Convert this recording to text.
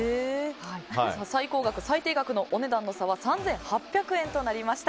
最高額、最低額のお値段の差は３８００円となりました。